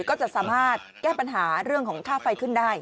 ก็จะสามารถแก้ปัญหาเรื่องของค่าไฟขึ้นได้